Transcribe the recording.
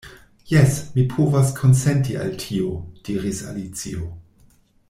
"Jes, mi povas konsenti al tio," diris Alicio.